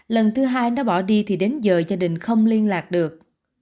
lần thứ hai nó bỏ đi thì đến giờ gia đình không liên lạc được